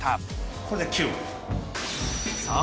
これで９枚。